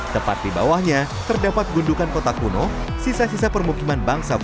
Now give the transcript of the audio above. tepat di bawahnya terdapat gundukan kota kuno sisa sisa permukiman bangsa